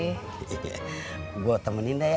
iya gua temenin dah ya